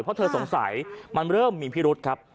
เพราะเธอสงสัยมันเริ่มมีพิรุษครับ